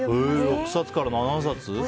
６冊から７冊？